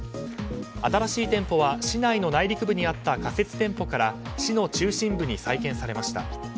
新たらしい店舗は市内の内陸部にあった仮設店舗から市の中心部に再建されました。